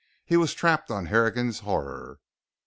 He was trapped on Harrigan's Horror.